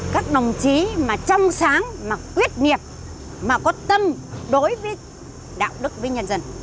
các đồng chí mà trong sáng mà quyết nghiệp mà có tâm đối với đạo đức với nhân dân